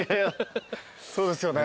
そうですよね。